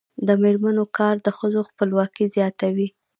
د میرمنو کار د ښځو خپلواکي زیاتوي.